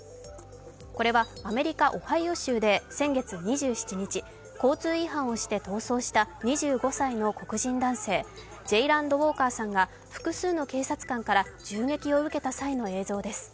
これはアメリカ・オハイオ州で先月２７日、交通違反をして逃走した２５歳の黒人男性、ジェイランド・ウォーカーさんが複数の警察官から銃撃を受けた際の映像です。